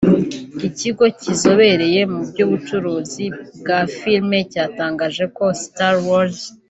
ikigo kizobereye mu by’ubucuruzi bwa film cyatangaje ko Star Wars